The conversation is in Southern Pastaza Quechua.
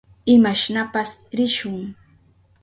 Imashnapas rishun.